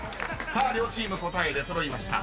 ［さあ両チーム答え出揃いました］